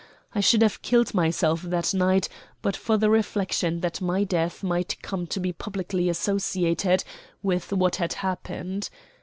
I should have killed myself that night but for the reflection that my death might come to be publicly associated with what had happened.